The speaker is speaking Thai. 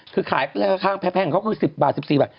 คือขายข้างแพงเขาคือ๑๐บาท๑๔บาท